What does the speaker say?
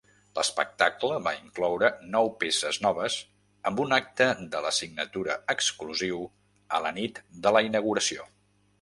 L'espectacle va incloure nou peces noves, amb un acte de la signatura exclusiu a la nit de la inauguració.